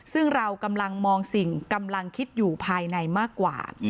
ซึ่งเรากำลังมองสิ่งกำลังคิดอยู่ภายในมากกว่า